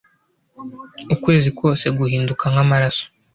ukwezi kose guhinduka nk’amaraso